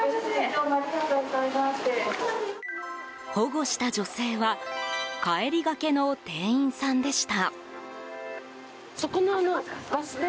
保護した女性は帰りがけの店員さんでした。